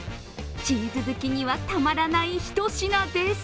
チーズ好きにはたまらない一品です。